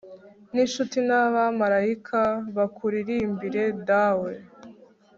n'incuti n'abamarayika, bakuririmbire dawe